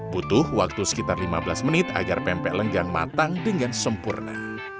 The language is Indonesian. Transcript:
butuh waktu sekitar lima belas menit agar pempek lenggang matang dengan sempurna